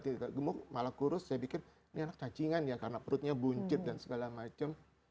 tidak gemuk malah kurus saya pikir ini anak cacingan ya karena perutnya buncit dan segala macam